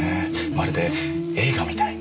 まるで映画みたいに。